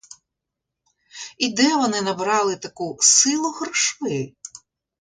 І де вони набрали таку силу грошви?